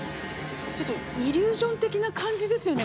ちょっとイリュージョン的な感じですよね